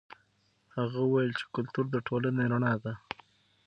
هغه وویل چې کلتور د ټولنې رڼا ده.